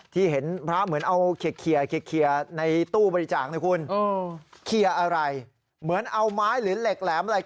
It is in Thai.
ที่เห็นพระเหมือนเอาเคลียร์ในตู้บริจาคนะคุณเคลียร์อะไรเหมือนเอาไม้หรือเหล็กแหลมอะไร